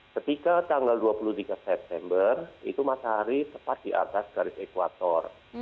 ketika tanggal dua puluh tiga september itu matahari tepat di atas garis ekwator